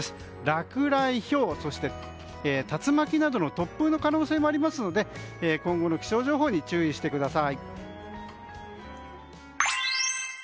落雷、ひょうそして竜巻などの突風の可能性もあるので今後の気象情報に注意してください。